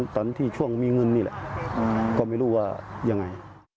ช่วงมีเงินนี่แหละก็ไม่รู้ว่ายังไง